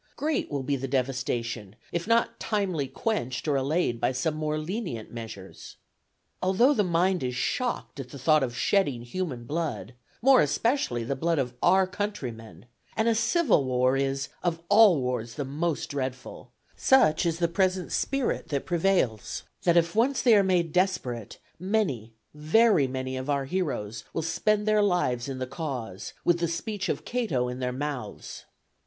Great will be the devastation, if not timely quenched or allayed by some more lenient measures. Although the mind is shocked at the thought of shedding human blood, more especially the blood of our countrymen, and a civil war is of all wars the most dreadful, such is the present spirit that prevails, that if once they are made desperate, many, very many of our heroes will spend their lives in the cause, with the speech of Cato in their mouths.